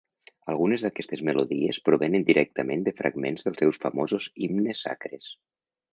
Algunes d'aquestes melodies provenen directament de fragments dels seus famosos himnes sacres.